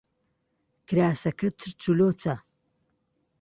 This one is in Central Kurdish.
کراسەکەت چرچ و لۆچە.